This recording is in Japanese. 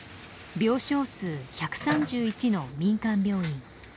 病床数１３１の民間病院。